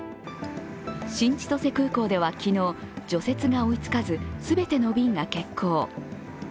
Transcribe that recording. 新千歳空港では昨日、除雪が追いつかず全ての便が欠航。